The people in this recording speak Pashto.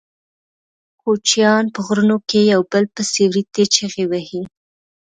کوچیان په غرونو کې یو په بل پسې وریتې چیغې وهي.